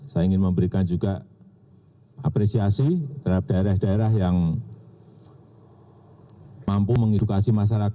saya ingin memberikan juga apresiasi terhadap daerah daerah yang mampu mengedukasi masyarakat